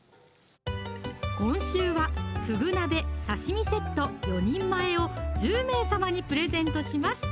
今週はふぐ鍋・刺身セット４人前を１０名様にプレゼントします